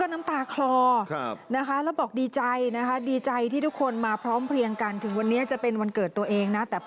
ขอขอบคุณทุกท่านนะคะที่สนับสนุนที่ให้กำลังใจที่ยืนอยู่เคียงข้างกันมาเป็นเวลา๒๐กว่าปีแล้วนะคะ